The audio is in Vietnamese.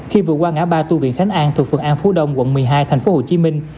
khi vừa qua ngã ba tu viện khánh an thuộc phường an phú đông quận một mươi hai thành phố hồ chí minh